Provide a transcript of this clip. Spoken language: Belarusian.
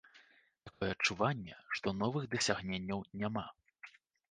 Такое адчуванне, што новых дасягненняў няма.